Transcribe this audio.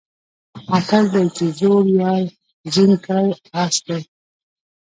متل دی چې زوړ یار زین کړی آس دی.